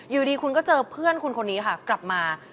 อยู่ดีคุณก็เจอเพื่อนคุณคนนี้ค่ะกลับมา